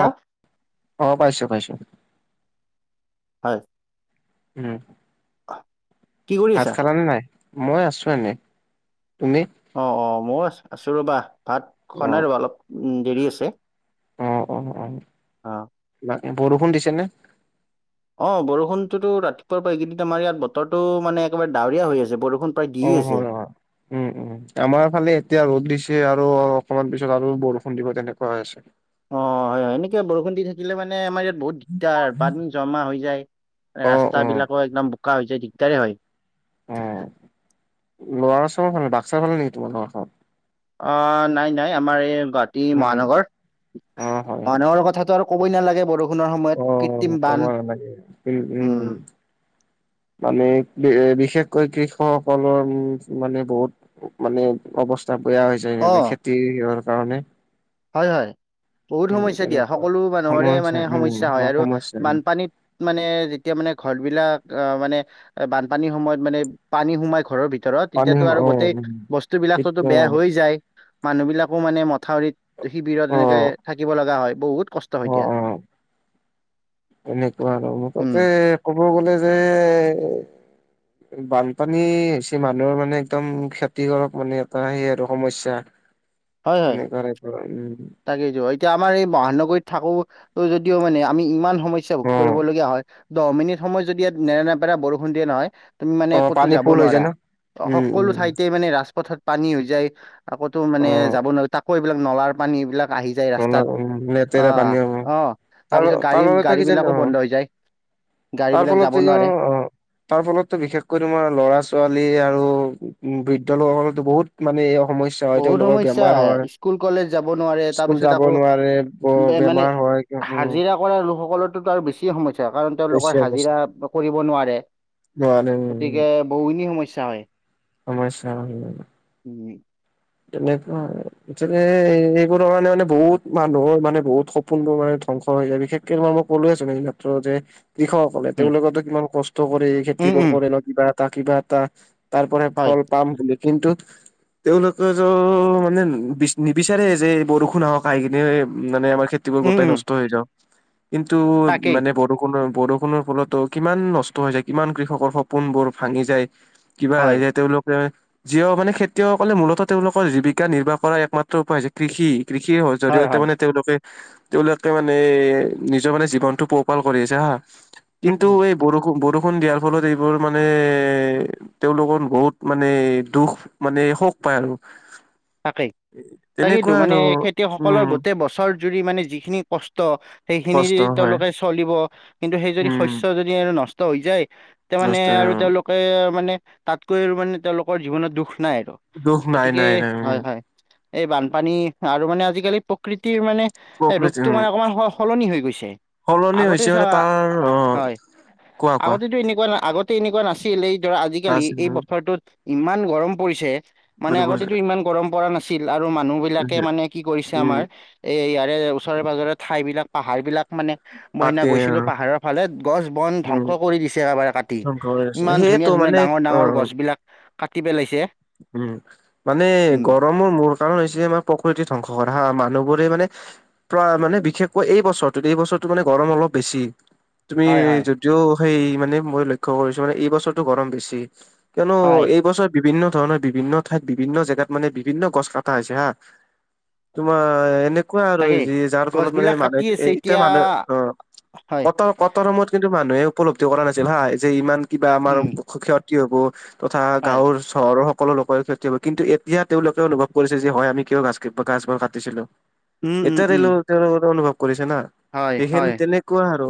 অ অ পাইছোঁ পাইছোঁ হয় উম কি কৰি ভাত আছা খালা নে নাই মই আছোঁ এনেই তুমি অ অ মই আছোঁ ৰ'বা ভাত অ খোৱা নাই ৰ'বা অলপ দেৰি আছে অ অ অ অ বাকী বৰষুণ দিছে নে? অ বৰষুণতটোতো ৰাতিপুৱাৰ পৰা এইকেইদিন আমাৰ ইয়াত বতৰটো মানে একেবাৰে ডাৱৰীয়া হৈ আছে বৰষুণ অ দি হয় আছে হয় উম উম আমাৰ ফালে এতিয়া ৰ'দ দিছে আৰু অকমানৰ পিছত আৰু বৰষুণ দিব তেনেকুৱা হৈ আছে অ হয় হয় এনেকে বৰষুণ দি থাকিলে মানে আমাৰ ইয়াত বহুত দিগদাৰ হয় পানী জমা হৈ যায় অ অ ৰাস্তা বিলাকো একদম বোকা হৈ যায় দিগদাৰে হয় [unintelligible] ল'ৰাচৰ চব ভালে বাক্সা ভালে নেকি তোমাৰ ঘৰখন অ নাই নাই আমাৰ এই গুৱাহাটী উম মহানগৰ অ হয় হয় মানুহৰ কথাটো আৰু ক'বই নালাগে বৰষুণ সেইটো অ সময়ত কৃত্ৰিম বান উম মানে বিশেষকৈ কৃষকসকলৰ উম মানে বহুত মানে অৱস্থা বেয়া হৈ যায় অ মানে খেতিৰ হোৱাৰ কাৰণে হয় হয় বহুত উম, সমস্যা দিয়া তেনেকুৱা সকলো মানুহৰে মানুহৰে সমস্যা মানে উম, সমস্যা হয় অ', আৰু সমস্যা উম, বানপানীত মানে যেতিয়া মানে ঘৰ বিলাক অ মানে বানপানীৰ সময়ত মানে পানী সোমাই ঘৰৰ ভিতৰত ধৰক পানী তেতিয়াতো সম আৰু অ', গোটেই উম। বস্তু বিলাকতো কেতিয়া বেয়া হৈ যায় মানুহ বিলাকো মানে মথাউৰিত শিবিৰত এনেকে অ', থাকিব লগা হয় বহুত কষ্ট হয় অ দিয়া অ এনেকুৱা আৰু উম মুঠতে ক'ব গ'লে যে এ বানপানী হৈছে মানুহৰ মানে একদম খেতি কৰক মানে এটা সেই আৰু সমস্যা [inaudible] এনেই [unintelligible] কৰা উ তাকেইটো এতিয়া আমাৰ এই মহানগৰীত থাকো যদিও মানে আমি ইমান সমস্যা ভোক অ', কৰিবলগীয়া হয় দহ মিনিট সময় যদি ইয়াত নেৰা নেপেৰা বৰষুণ দিয়ে নহয় তুমি মানে অ', ক'তো পানী যাব ফুল হৈ যায় নোৱাৰা ন? উম, সকলো উম, ঠাইতে মানে ৰাজপথত পানী হৈ যায় আকৌতো মানে অ', যাব নোৱাৰো তাকো এইবিলাক নলাৰ পানী এইবিলাক আহি যায় নলা ৰাস্তাত উম, অ লেতেৰা পানী হ'ব অ তাৰ তাৰপিছত তাৰ গাড়ী বাবে তই গাড়ী কিজানি বিলাকো অ'। বন্ধ হৈ যায় গাড়ী তাৰ বিলাক ফলত কি যাব নোৱাৰে তাৰ ফলতো বিশেষকৈ তোমাৰ ল'ৰা ছোৱালী আৰু উম বৃদ্ধ লোকসকলো বহুত মানে এই সমস্যা হয় বহুত তেওঁ লগৰ সমস্যা বেমাৰ হয়। স্কুল কলেজ যাব নোৱাৰে। স্কুল তাৰপিছত যাব আকৌ নোৱাৰে ব বে- মানে বেমাৰ হয় উ হাজিৰা কৰা লোকসকলৰ তো তাৰ আৰু বেছি সমস্যা কাৰণ বেছি তেওঁলোকৰ সমস্যা হাজিৰা কৰিব নোৱাৰে নোৱাৰে উম গতিকে বহুখিনি সমস্যা হয়। সমস্যা [unintelligible] উম। তেনেকুৱা আৰু। মুঠতে এইবোৰ কাৰণে মানে বহুত মানুহৰ মানে বহুত সপোনবোৰ মানে ধ্বংস হৈ যায়। বিশেষ কে মই কলোৱে চোন এই মাত্ৰ যে কৃষকসকলে। উম, তেওঁলোকেতো কিমান কষ্ট কৰে খেতি উম, উম, কৰে ন কিবা এটা কিবা এটা তাৰ পৰা হয়, ফল পাম বুলি কিন্তু তেওঁলোক মানে বিচ নিবিচাৰে যে বৰষুণ আহক আহি কিনে মানে আমাৰ খ উম, গোটেই উম, নষ্ট হৈ যাওঁ। কিন্তু তাকেই মানে বৰ বৰষুণৰ ফলতো কিমান নষ্ট হৈ যায়, কিমান কৃষকৰ সপোন বোৰ ভাঙি যায়। কিবা হয়, তেওঁলোকে যি মানে খেতিয়কসকলে মূলত তেওঁলোকৰ জীৱিকা নিৰ্বাহ কৰা একমাত্ৰ উপায় হৈছে কৃষি। কৃষিৰ হয়, জৰিয়তে হয়, মানে তেওঁলোকে তেওঁলোকে মানে নিজৰ মানে জীৱনটো পোহপাল কৰি আহিছে হা। উম, কিন্তু উম, এই বৰষুণ-বৰষুণ দিয়াৰ ফলত এইবোৰ মানে তেওঁলোকৰ বহুত মানে দুখ মানে সুখ পায় আৰু। তাকেই, তাকোটো তেনেকুৱা আৰু মানে খেতিয়কসকলৰ উম গোটেই বছ বছৰ জুৰি মানে যি খিনি কষ্ট সেইখিনি কষ্ট দি হয় তেওঁলোকে চলিব কিন্তু সেই যদি উম শস্য সেইখিনি আৰু নষ্ট হৈ যায়, তাতে মানে কষ্ট আৰু তেওঁলোক তাতে মানে তাতকৈ মানে তেওঁলোকৰ জীৱনত দুখ নাই আৰু। দুখ নাই গতিকে নাই নাই উম। হয়, এই বানপানী আৰু মানে আজিকালি প্ৰকৃতিৰ মানে প্ৰকৃতি ৰূপতটো উম মানে অকমান স সলনি হৈ গৈছে। সলনি আগতে হৈছে চাহ মানে তাৰ অ হয় কোৱা কোৱা আগতেতো এনেকুৱা নাই আগত তে এনেকুৱা নাছিল। এই ধৰা আজিকালি এই নাছিলো বছৰটোত ইমান গৰম পৰিছে মানে আগতে টো ইমান গৰম পৰা নাছিল আৰু মানুহ বিলাকে মানে কি কৰিছে উম আমাৰ এ ইয়াৰে ওচৰে পাজৰে ঠাই বিলাক পাহাৰ বিলাক মানে মই সিদিনা কাতে গৈছিলোঁ পাহাৰৰ ফালে, গছ-বন উম ধ্বংস কৰি দিছে এবাৰে কাটি। ধ্বংস কৰি আছে ইমান সেইটো ধুনীয়া-ধুনীয়া মানে অ ডাঙৰ-ডাঙৰ গছ বিলাক কাটি পেলাইছে। উম মানে উম গৰমৰ মূল কাৰণ হৈছে আমাৰ প্ৰকৃতি ধ্বংস কৰে হা মানুহবোৰে মানে প্ৰায় মানে বিশেষকৈ এই বছৰটোত এই বছৰতো মানে গৰম অলপ বেছি। তুমি হয় হয় যদিও সেই মানে মই লক্ষ্যয় কৰিছো মানে এই বছৰটো গৰম বেছি। কিয়নো হয় এইবছৰ বিভিন্ন ধৰণৰ বিভিন্ন ঠাইত, বিভিন্ন জেগাত মানে বিভিন্ন গছ কটা হৈছে হা। তোমাৰ এনে এনেকুৱা আৰু তাকেই যি যাৰ গছ ফলত মানে বিলাক কাটি মানুহে আছে এতিয়া মানুহে অ হয় কতো কটাৰ সময়ত কিন্তু মানুহে উপলব্ধি কৰা নাছিল হা যে ইমান কিবা আমাৰ উম ক্ষয়তি হ'ব। তথা হয় গাঁৱৰ চহৰৰ সকলো লোকৰ ক্ষয়তি হ'ব, কিন্তু এতিয়া তেওঁলোকে অনুভৱ কৰিছে যে হয় আমি কিয় গাছ গছবোৰ কাটিছিলোঁ। উম উম এতিয়া উম [unintelligible] অনুভৱ কৰিছে না। হয় ঠিক সেন হয় তেনেকুৱা আৰু।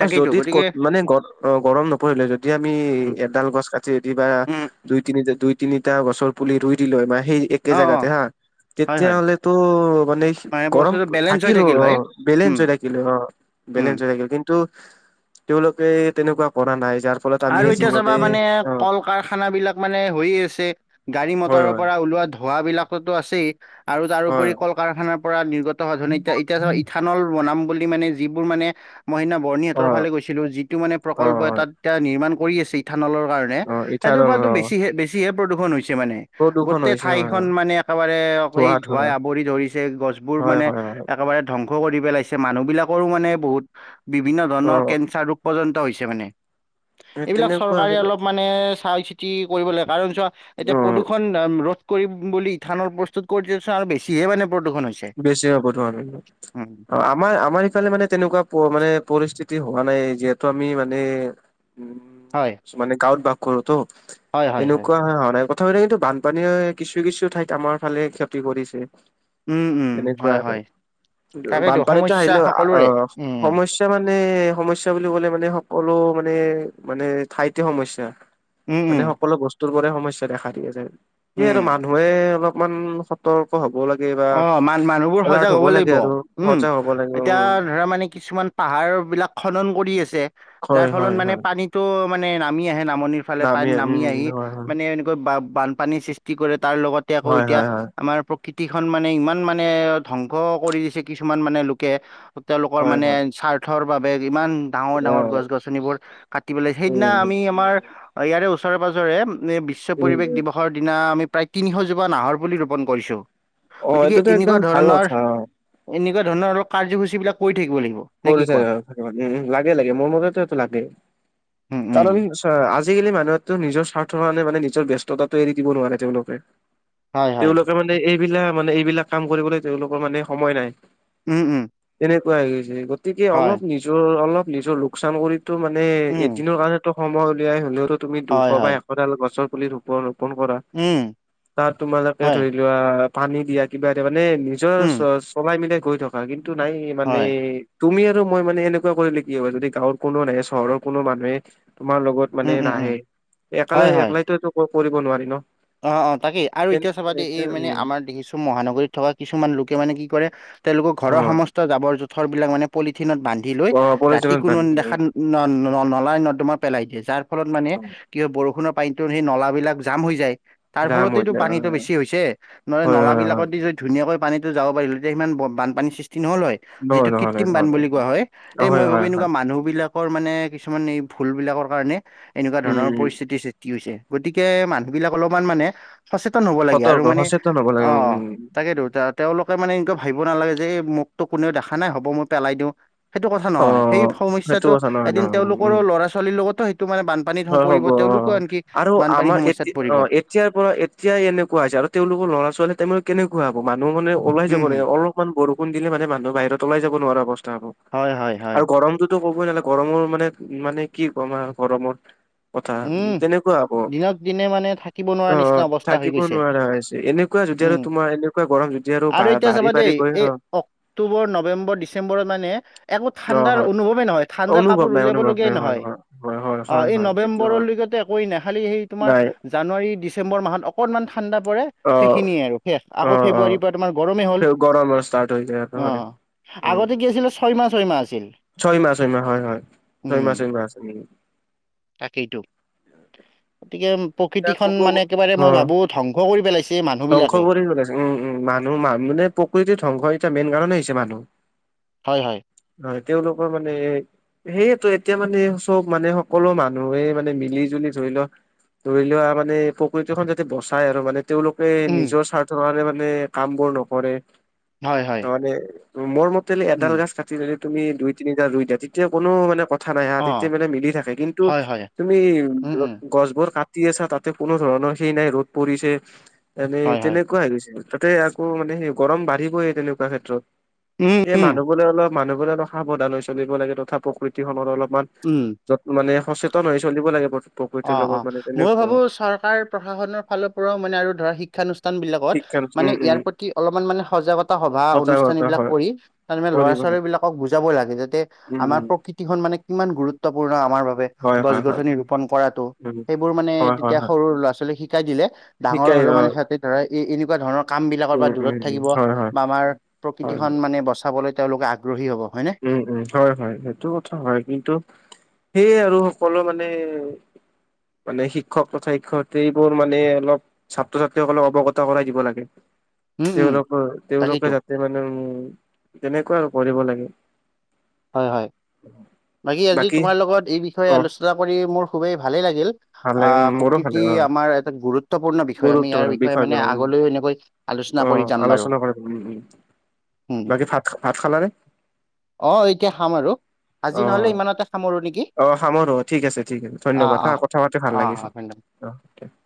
তাকেইতো যদি গতিকে ক মানে গ গৰম নপৰিলে যদি যদি আমি উম এডাল গছ কাটি যদি বা উম দুই তিনি দুই তিনিটা গছৰ পুলি ৰুই দিলোঁ হয়, মানে সেই একে অ অ জেগাতে হা হয় তেতিয়া হয় হ'লেতো মানে গৰম বস্তুটো বেলেঞ্চ হৈ থাকিলোঁ থাকিল অ হয়। উম, বেলেজয় থাকিলোঁ হৈ অ। উম। বেলেঞ্চ হৈ থাকিল কিন্তু তেওঁলোকে তেনেকুৱা কৰা নাই যাৰ ফলত আমি আৰু যি এতিয়া চাবা মানে অ কল- কাৰখানা বিলাক মানে হৈয়ে আছে, গাড়ী হয় মটৰৰ হয় পৰা ওলোৱা ধ ধোঁৱা বিলাকতো আছেই আৰু হয় তাৰোপৰি কল কাৰখানাৰ পৰা নিৰ্গত হোৱা ধৰণে এতিয়া এতিয়া ইথানল বনাম বুলি মানে যিবোৰ মানে মই সেইদিনা অ বৰ্ণিহাটৰ ফালে গৈছিলো, যিটো মানে অ প্ৰকল্প এ হয় তাত এতিয়া নিৰ্মাণ কৰি আছে ইথানলৰ কাৰণে নে অ সেইটোৰ ইথানল পৰা অ বেছিহে বেছিহে প্ৰদূৰষণ হৈছে মানে প্ৰদূষণ গোটেই হৈছে হয় ঠাইখন হয় মানে একেবাৰে এই ধোৱা ধুৱাই ধোৱা আৱৰি ধৰিছে, গছবোৰ হয় মানে হয় হয় একেবাৰে ধ্বংস কৰি পেলাইছে, মানুহ বিলাকৰো মানে বহুত বিভিন্ন অ ধৰণৰ কেঞ্চাৰ ৰোগ পৰ্যন্ত হৈছে মানে এইবিলাক তেনেকুৱা চৰকাৰে অলপ মানে চাই চিতি কৰিব লাগে।। কাৰণ চোৱা অ এতিয়া প্ৰদূষণ ৰোধ কৰিম বুলি ইথানল প্ৰস্তুত কৰোতে আৰু বেছিহে মানে প্ৰদূষণ হৈছে। বেছি হব ধৰ। উম, আমাৰ আমাৰ ইফালে মানে তেনেকুৱা মানে পৰিস্থিতি হোৱা নাই, যিহেতু আমি মানে উ হয়। মানে গাঁৱত বাস কৰো তো, হয়, হয়, হয়, এনেকুৱা হোৱা নাই ক প্ৰথমতে কিন্তু বানপানীয়ে কিছু কিছু ঠাইত আমাৰ ফালে ক্ষতি কৰিছে। উম, উম, তেনেকুৱা হয়, আৰু, হয়। তাকেইতো বানপানীতো সমস্যা আহিলেও সকলোৰে আহ উম, সমস্যা এতিয়া মানে সমস্যা বুলি ক'লে মানে, সকলো মানে- মানে ঠাইতে সমস্যা। উম, মানে উম, সকলো বস্তুৰ পৰাৰে সমস্যা দেখা দিয়ে যায়। সেয়ে আৰু উম। মানুহে অলপমান সতৰ্ক হব লাগে বা অ মান মানুহবোৰ এলাৰ্ট সজাগ হব লাগে লাগিব। আৰু উম, সজাগ হব লাগে উম এতিয়া ধৰা মানে কিছুমান পাহাৰ বিলাক খনন কৰি আছে, যাৰ হয় ফলত হয় মানে হয় পানীত টো মানে নামি আহে নামনিৰ ফালে প উম নামি আহি হয় মানে এনেকৈ বা বান পানী সৃষ্টি কৰে, তাৰ লগতে আকৌ হয় এতিয়া হয় হয় আমাৰ প্ৰ কৃতিখন মানে ইমান মানে ধ্বংস কৰি দিছে কিছুমান মানে লোকে তেওঁলোকৰ হয় মানে হয় স্বাৰ্থৰ বাবে ইমান ডাঙৰ অ ডাঙৰ গছ গছনিবোৰ কাটি পেলাই, সেইদিনা উম আমি আমাৰ অ ইয়াৰে ওচৰে পাঁজৰে বিশ্ব উম পৰিৱেশ উম দিৱস ৰ দিনা আমি প্ৰায় তিনিশজোপা নাহৰ পুলি ৰোপণ কৰিছোঁ। অ গতিকে এইটোতো এনেকুৱা একদম ভাল ধৰণৰ, কথা অ এনেকুৱা ধৰণৰ আৰু কাৰ্যসূচীবিলাক কৰি থাকিব লাগিব। নে কি কৰি কোৱা? [unintelligible] উম লাগে লাগে মোৰ মতেটো এইটো লাগে। উম, উম, কাৰন অ আজিকালি মানুহটো নিজৰ স্বাৰ্থৰ কাৰণে মানে নিজৰ ব্যস্ততাটো এৰি দিব নোৱাৰে তেওঁলোকে হয় হয়। তেওঁলোকে মানে এইবিলাক মানে এইবিলাক কাম কৰিবলৈ তেওঁলোকৰ মানে সময় নাই। উম উম। তেনেকুৱা হৈ গৈছে, গতিকে অলপ হয়, নিজৰ অলপ নিজৰ লোকচান কৰি টো মানে উম, এদিনৰ কাৰণতো সময় উলিয়াই হলেও তো তুমি দুশ হয়, বা হয়, এশ ডাল গছৰ পুলি ৰোপন ৰোপন কৰা। উম, তাত তোমালোকে হয়, ধৰি কিবা পানী দিয়া, কিবা দিয়া, মানে নিজৰ উম, চ চলাই মিলাই গৈ থকা। কিন্তু নাই মানে হয়, তুমি আৰু মই মানে এনেকুৱা কৰিলে কি হব? যদি গাঁৱৰ কোনো নাহে চহৰৰ কোনো মানুহে তোমাৰ লগত মানে উম, উম, উম, নাহে, হয়, একলাই হয়। একালাইতো কৰিব নোৱাৰি ন। অ অ তাকেই আৰু তেন এতিয়া চাবা দেই এই মানে উম আমাৰ দেখিছো মহানগৰীত থকা কিছুমান লোকে মানে কি কৰে তেওঁলোকৰ অ ঘৰৰ সমস্ত জাবৰ জোথৰ বিলাক মানে পলিথিনত বান্ধি লৈ অ ৰাতি প্ৰয়োজনত কোনো বান্ধি লয়। নেদেখা ন ন নলাই নৰ্দমা পেলাই দিয়ে। যাৰ ফলত মানে কি হয় বৰষুণৰ পানীটোত, সেই নলাবিলাক জাম হৈ যায়। তাৰ যাম হৈ ফলতেইটো যায় পানীটো বেছি হৈছে। ন হয় নলা হয় হয় বিলাকত যদি ধুনীয়াকৈ পানী যাবা পাৰিলে, তেতিয়া সিমান বানপানীৰ সৃষ্টি নহ'ল হয়। যিটো নহয় নহয় কৃত্ৰিম বান নহয় বুলি কোৱা হয়। নহয় এই হয় মই ভাবি হয় হয় এনেকুৱা মানুহ বিলাক। মানে কিছুমান এই ভুল বিলাকৰ কাৰণে, এনেকুৱা ধৰণৰ উম পৰিস্থিতি সৃষ্ট হৈছে। গতিকে মানুহ বিলাক অলপমান মানে। সচেতন হ'ব লাগে, আৰু সতৰ্ক মানে সচেতন হ'ব লাগে অ' উম উম তাকেতো, তাত। তেওঁলোকে মানে এনেকা ভাবিব নালাগে যে, এই মোকটো কোনেও দেখা নাই, হ'ব মই পেলাই দিওঁ। সেইটো কথা অ নহয়, সেই সেইটো সমস্যাটো কথা নহয় এদিন নহয় উম তেওঁলোকৰো ল'ৰা ছোৱালীৰ লগতো সেইটো মানে বান বানপানীত সম হয় পৰিব, হ'ব অ তেওঁলোকও আনকি আৰু বানপানী আমাৰ সমস্যাত। এতি পৰিব অ' এতিয়াৰ পৰা এতিয়াই এনেকুৱা হৈছে, আৰু তেওঁলোকৰ ল'ৰা ছোৱালী টাইমত কেনেকুৱা হ'ব, মানুহ মানে ওলাই উম যাব ৰে, হম অলপমান বৰষুণ দিলে মানে মানুহ বাহিৰত ওলাই যাব নোৱাৰা অৱস্থা হ'ব, হয় হয় হয় আৰু গৰমটোত। টো ক'বই নালাগে, গৰমৰ মানে মানে কি কম আৰু গৰমত। কথা উম তেনেকুৱা হ'ব, দিনক দিনে মানে থাকিব নোৱাৰা অ' নিচিনা অৱস্থা হৈ থাকিব গৈছে নোৱাৰা হৈ আছে, এনে এনেকুৱা যদি উম আৰু তোমাৰ এনেকুৱা গৰম যদি আৰু এতিয়া চাবা বাঢ়ি, দেই বাঢ়ি গৈ এই অ'। অক্টোবৰ, নৱেম্বৰ, ডিচেম্বৰত মানে। একো অ ঠাণ্ডাৰ হয় অনুভৱেই নহয়, ঠাণ্ডাৰ অনুভৱ কাপোৰ নাই উলিয়াব অনুভৱ লগিয়াই নাই হয় নহয়, হয় হয় হয় অ' হয় এই ন হয় সেইটো হয় নম্বেৱৰলৈকে একোৱেই নাই, খালি সেই তোমাৰ নাই জানুৱাৰী, ডিচেম্বৰ মাহত অকণমান ঠাণ্ডা পৰে। অ সেইখিনিয়ে আৰু শেষ, অ আকৌ অ ফেব্ৰুৱাৰীৰ পা তোমাৰ গৰমেই হ'ল গৰমৰ ষ্টাৰ্ট হৈ যায় হয় অ'। উম আগতে কি আছিলে, ছয় মাহ, ছয় মাহ আছিল। ছয় মাহ, ছয় মাহ, হয়, হয়, ছয় মাহ, ছয় মাহ, আছিল। তাকেইটো গতিকে। এতিয়া প্ৰকৃতিখন ক'ব মানে গ- একেবাৰে অ মই ভাবোঁ, ধ্বংস কৰি পেলাইছে ধ্বংস মানুহবিলাকে। কৰি পেলাইছে উম' উম' মানুহ মা মানে প্ৰকৃতিৰ ধ্বংস এতিয়া মেইন কাৰণে হৈছে মানুহ। হয়, হয়। হয়, তেওঁলোকৰ মানে। সেইটোৱে এতিয়া মানে চব মানে সকলো মানুহে মানে মিলি জুলি ধৰি লওঁ। ধৰি লোৱা মানে প্ৰকৃতিখন যাতে বচাই আৰু মানে তেওঁলোকে উম নিজৰ স্বা মানে কামবোৰ নকৰে, হয় হয় তাৰমানে ৰোমৰ মতে এডাল উম গাছ কাট যদি তুমি দুই, তিনিটা ৰুই দিয়া, তেতিয়া কোনো মানে ক কথা নাই হা, অ তেতিয়া মানে মিলি থাকে, কিন্তু হয় হয় তুমি উম উম গছবোৰ কা কাটি আছা তাতে কোনো ধৰণৰ সেই নাই, ৰ'দ পৰিছে, এনে হয় হয় তেনেকুৱা হৈ গৈছে। তাতে আকৌ মানে সেই গৰম বাঢ়িবই তেনেকুৱা ক্ষেত্ৰত, উম এই উম মানুহবোলে অলপ। মানুহবোৰে অলপ সাৱধান হৈ চলিব লাগে, তথা প্ৰকৃতিখনৰ অলপমান উম'। য'ত মানে সচেতন হৈ চলিব লাগে প্ৰকৃতিৰ লগত, মানে তেনে মই ভাবো চৰকাৰ প্ৰশাসনৰ ফালৰ পৰাও মানে আৰু ধৰা শিক্ষানুষ্ঠান বিলাকত। শিক্ষা মানে উম ইয়াৰ উম প্ৰতি অলপমান মানে সজাগতা সভা অনুষ্ঠান সজাগতা এইবিলাক হয় কৰি। তাত মানে ল'ৰা কৰিব ছোৱালী লাগে বিলাকক বুজাবই লাগে, যাতে উম আমাৰ উম প্ৰকৃ খন মানে কিমান গুৰুত্বপূৰ্ণ আমাৰ বাবে, হয় গছ হয় হয় গছনি ৰোপন কৰাটো, উম সেইবোৰ মানে হয় হয় তেতিয়া হয় সৰু ল'ৰা -ছোৱালীক শিকাই দিলে, ডাঙৰ শিকাই হ'লেও অ মানে সিহঁতে ধৰা এ এই এনেকুৱা ধৰণৰ। কাম বিলাকৰ পা উম, উম, দূৰত উম, থাকিব, হয়, হয়, বা আমাৰ হয়, প্ৰকৃতিখন হয়, মানে বচাবলৈ তেওঁলোকে আগ্ৰহী হ'ব। হয়নে? উম', উম, ' হয়, হয়, সেইটো কথা হয়, কিন্তু সেয়ে আৰু সকলো মানে। মানে শিক্ষক তথা শিক্ষয়িত্ৰীবোৰ মানে অলপ। ছাত্ৰ ছাত্ৰীসকলক অৱগত কৰাই দিব লাগে। উম উম তেওঁলোকৰ তাকেইতো তেওঁলোকে যাতে মানে উম তেনেকুৱা আৰু কৰিব লাগে। হয় হয় বাকী আজি তোমাৰ লগত এই বিষয়ে অ আলোচনা কৰি মোৰ খুবেই ভালেই লাগিল। ভাল লাগে আহ উম মোৰো ভাল প্ৰকৃতি লাগে অ আমাৰ এটা গুৰুত্বপূৰ্ণ বিষয় আমি ইয়াৰ গুৰুত্বপূৰ্ণ বিষয়ে বিষয় মানে জ্ঞান, উম আগলৈও এনেকৈ আলোচনা অ কৰি যাম বাৰু আলোচনা কৰিম। উম, উম উম বাকী ভাত ভাত খালা নে? অ এতিয়া খাম আৰু। আজি অ, নহলে ইমানতে সামৰো নেকি অ সামৰো ঠিক আছে, ঠিক আছে অ ধন্যবাদ হা অ কথা পাতি ভাল লাগিছে। অ ধন্যবাদ অকে [unintelligible]